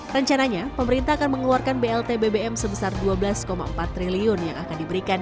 rencananya pemerintah akan mengeluarkan blt bbm sebesar dua belas empat triliun yang akan diberikan